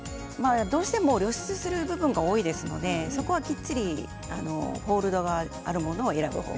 どうしても露出部分が多いのできっちりホールドがあるものを選ぶ方が。